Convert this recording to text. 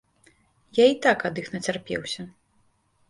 Я і так ад іх нацярпеўся.